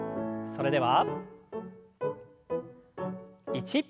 それでは１。